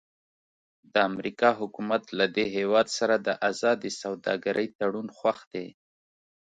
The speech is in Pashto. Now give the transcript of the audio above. د امریکا حکومت له دې هېواد سره د ازادې سوداګرۍ تړون خوښ دی.